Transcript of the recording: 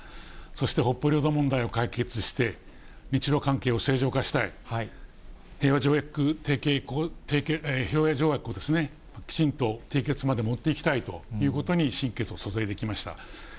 そして、北方領土問題を解決して、日ロ関係を正常化したい、平和条約をきちんと締結まで持っていきたいということに心血を注いできました。